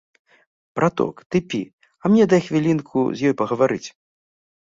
Браток, ты пі, а мне дай хвілінку з ёй пагаварыць.